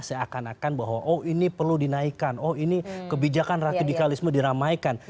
seakan akan bahwa oh ini perlu dinaikkan oh ini kebijakan radikalisme diramaikan